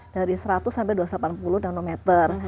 dari seratus sampai dua ratus delapan puluh nanometer